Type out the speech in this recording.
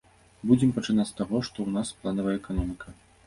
Будзем пачынаць з таго, што ў нас планавая эканоміка.